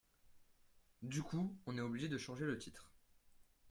Du coup, on est obligé de changer le titre.